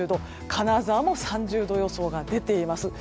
金沢も３０度予想が出ています。